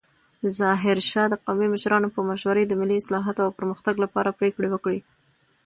ظاهرشاه د قومي مشرانو په مشوره د ملي اصلاحاتو او پرمختګ لپاره پریکړې وکړې.